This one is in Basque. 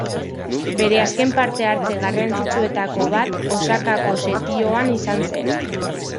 Bere azken parte-hartze garrantzitsuetako bat, Osakako setioan izan zen.